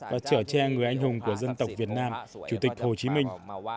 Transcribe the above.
và trở tre người anh hùng của dân tộc việt nam chủ tịch hồ chí minh